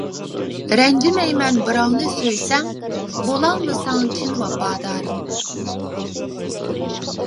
رەنجىمەيمەن بىراۋنى سۆيسەڭ، بولالمىساڭ چىن ۋاپادارىم.